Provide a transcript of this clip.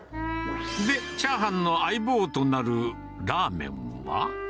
で、チャーハンの相棒となるラーメンは。